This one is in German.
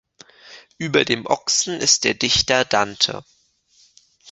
Über dem Ochsen ist der Dichter Dante.